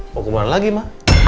mau kemana lagi ma